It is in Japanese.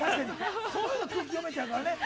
そういうの空気読めちゃうからね。